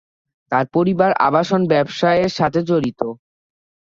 তার পরিবার আবাসন ব্যবসায়ের সাথে জড়িত।